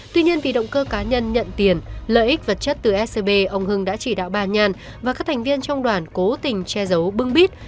tuy nhiên vì động cơ cá nhân nhận tiền lợi ích vật chất từ scb ông hưng đã chỉ đạo bà nhàn và các thành viên trong đoàn cố tình che giấu bưng bít